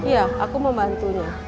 ya aku membantunya